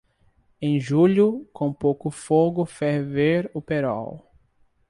Em julho, com pouco fogo ferver o perol.